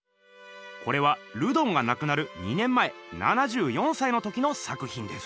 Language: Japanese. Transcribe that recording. これはルドンがなくなる２年前７４歳の時の作ひんです。